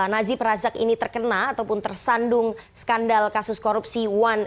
nazib razak ini terkena ataupun tersandung skandal kasus korupsi satu